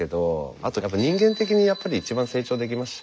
あと人間的にやっぱり一番成長できました。